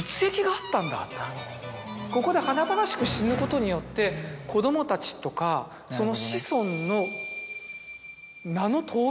ここで華々しく死ぬことによって子供たちとかその。